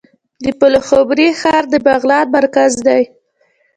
د پلخمري ښار د بغلان مرکز دی